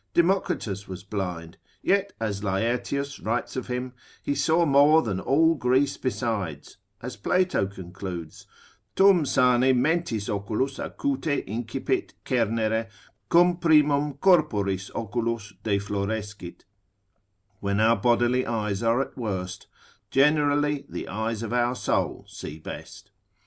Democritus was blind, yet as Laertius writes of him, he saw more than all Greece besides, as Plato concludes, Tum sane mentis oculus acute incipit cernere, quum primum corporis oculus deflorescit, when our bodily eyes are at worst, generally the eyes of our soul see best.